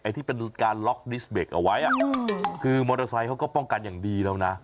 ที่เป็นการล็อกดิสเบรกเอาไว้คือมอเตอร์ไซค์เขาก็ป้องกันอย่างดีแล้วนะ